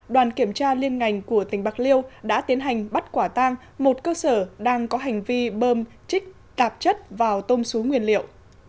đoàn kiểm tra liên ngành của tỉnh bạc liêu đã tiến hành bắt quả tang một cơ sở đang có hành vi bơm chích tạp chất vào tôm xú nguyên liệu